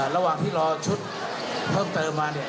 ระหว่างที่รอชุดเพิ่มเติมมาเนี่ย